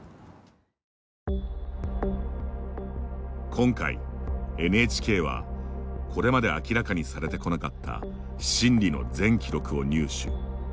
今回ＮＨＫは、これまで明らかにされてこなかった審理の全記録を入手。